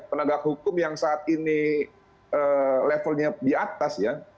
penegak hukum yang saat ini levelnya di atas ya